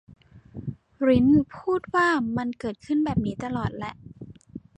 ริ้นพูดว่า มันเกิดขึ้นแบบนี้ตลอดแหละ